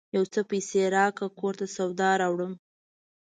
یو څه پیسې راکړه ! کور ته سودا راوړم